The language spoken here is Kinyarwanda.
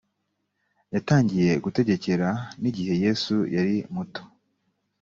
yatangiye gutegekera n’igihe yesu yari muto